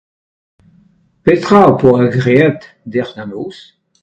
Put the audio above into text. Petra ho poa graet dec'h d'an noz ?